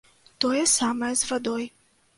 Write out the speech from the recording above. Тое самае з вадой.